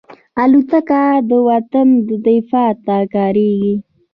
الوتکه د وطن دفاع ته کارېږي.